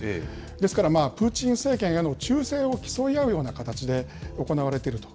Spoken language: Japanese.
ですから、プーチン政権への忠誠を競い合うような形で、行われていると。